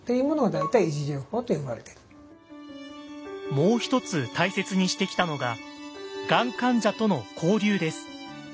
もう一つ大切にしてきたのががん患者との交流です。